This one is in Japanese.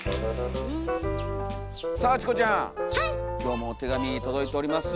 今日もお手紙届いております。